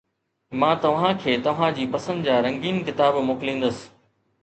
مان توهان کي توهان جي پسند جا رنگين ڪتاب موڪليندس